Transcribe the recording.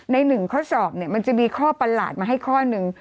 ในหนึ่งข้อสอบมันจะมีข้อประหลาดมาให้ข้อหนึ่ง